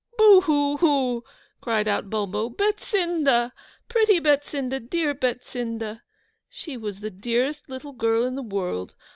Boo hoo hoo,' cried out Bulbo. 'Betsinda! pretty Betsinda! dear Betsinda! She was the dearest little girl in the world.